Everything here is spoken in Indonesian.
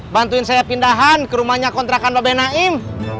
bantuin saya pindahan ke rumahnya kontrakan mba be naim